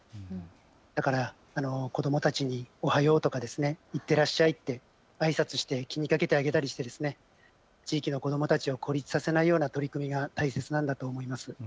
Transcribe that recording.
だから、子どもたちにおはようとか、いってらっしゃいってあいさつして気にかけたりしてあげて、地域の子どもたちを孤立させないような取り組みが大切なんだと思います。